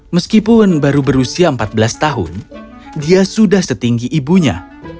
meskipun baru berusia empat belas tahun dia sudah setinggi ibunya